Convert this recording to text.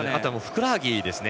ふくらはぎですね。